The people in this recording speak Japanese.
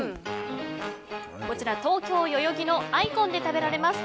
こちら、東京・代々木のＩＣＯＮで食べられます。